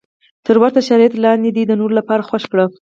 تر ورته شرایطو لاندې یې د نورو لپاره خوښ کړه.